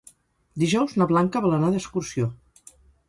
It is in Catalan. Dijous na Blanca vol anar d'excursió.